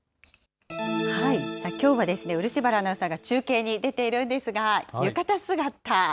きょうは、漆原アナウンサーが中継に出ているんですが、浴衣姿。